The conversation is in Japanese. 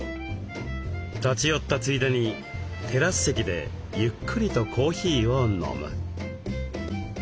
立ち寄ったついでにテラス席でゆっくりとコーヒーを飲む。